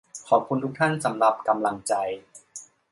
ขอบคุณทุกท่านสำหรับกำลังใจ